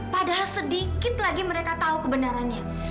padahal sedikit lagi mereka tahu kebenarannya